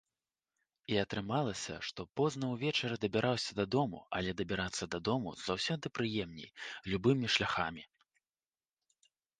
І атрымалася, што позна ўвечары дабіраўся дадому, але дабірацца дадому заўсёды прыемней, любымі шляхамі.